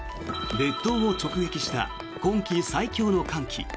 列島を直撃した今季最強の寒気。